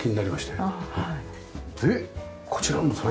でこちらの扉。